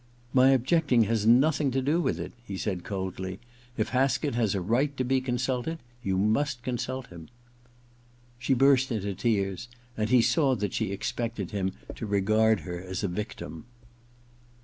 * My objecting has nothing to do with it,' F 66 THE OTHER TWO iv he said coldly ;* if Haskett has a right to be consulted you must consult him/ She burst into tears, and he saw that she expected him to regard her as a victim.